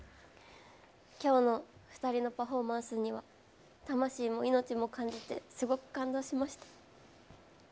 きょうの２人のパフォーマンスには、魂も命も感じて、すごく感動しました。